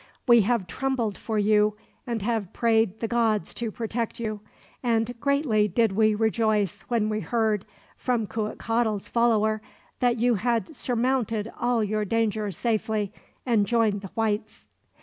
We have trembled for you, and have prayed the gods to protect you; and greatly did we rejoice when we heard, from Cuitcatl's follower, that you had surmounted all your dangers safely, and joined the whites.